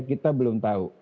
kita belum tahu